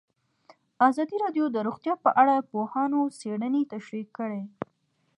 ازادي راډیو د روغتیا په اړه د پوهانو څېړنې تشریح کړې.